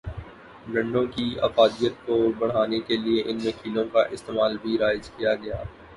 ڈنڈوں کی افادیت کو بڑھانے کیلئے ان میں کیلوں کا استعمال بھی رائج کیا گیا۔